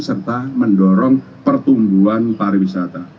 serta mendorong pertumbuhan pariwisata